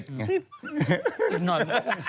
อีกหน่อย